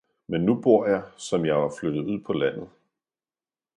men nu bor jeg, som jeg var flyttet ud på landet.